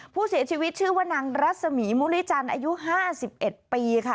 ผู้เสียชีวิตชื่อว่านางรัศมีมุริจันทร์อายุ๕๑ปีค่ะ